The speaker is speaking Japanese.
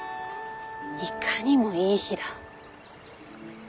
いかにもいい日だ。